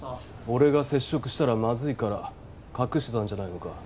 俺が接触したらまずいから隠してたんじゃないのか？